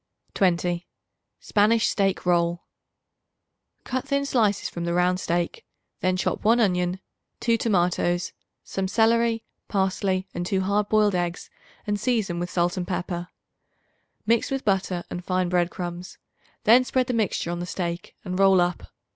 20. Spanish Steak Roll. Cut thin slices from the round steak; then chop 1 onion, 2 tomatoes, some celery, parsley and 2 hard boiled eggs and season with salt and pepper. Mix with butter and fine bread crumbs; then spread the mixture on the steak, and roll up.